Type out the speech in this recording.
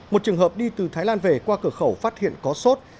một trường hợp đi từ thái lan về qua cửa khẩu phát hiện có sốt